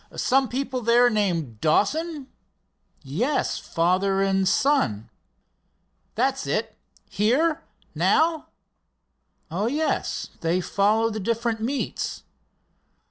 "Some people there named Dawson?" "Yes, father and son." "That's it. Here, now?" "Oh, yes, they follow the different meets."